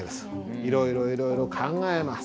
いろいろいろいろ考えます。